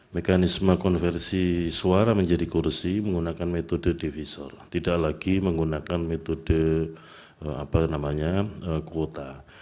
mekanisme konversi suara menjadi kursi menggunakan metode devisa tidak lagi menggunakan metode kuota